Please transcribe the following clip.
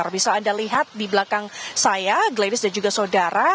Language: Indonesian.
bisa anda lihat di belakang saya gladis dan juga saudara